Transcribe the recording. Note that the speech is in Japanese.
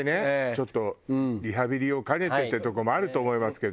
ちょっとリハビリを兼ねてっていうとこもあると思いますけど。